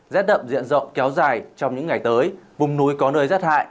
rát đậm diện rộng kéo dài trong những ngày tới vùng núi có nơi rát hại